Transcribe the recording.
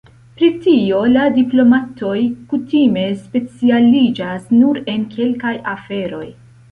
Pro tio, la diplomatoj kutime specialiĝas nur en kelkaj aferoj.